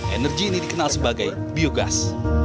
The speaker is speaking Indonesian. energi ini dikenal sebagai biogas